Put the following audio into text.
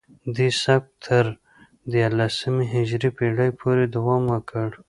دې سبک تر دیارلسمې هجري پیړۍ پورې دوام وکړ